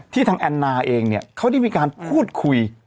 ทางแอนนาเองเนี่ยเขาได้มีการพูดคุย